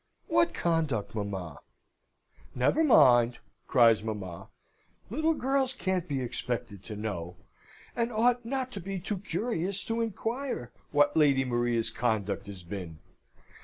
"What conduct, mamma?" "Never mind," cries mamma. "Little girls can't be expected to know, and ought not to be too curious to inquire, what Lady Maria's conduct has been!